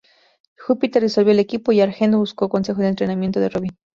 Júpiter disolvió el equipo, y Argent buscó consejo de entrenamiento de Robin.